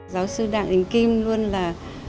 giáo sư đặng đình kim luôn là